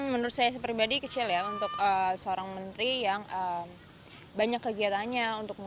menurut saya pribadi kecil ya untuk seorang menteri yang banyak kegiatannya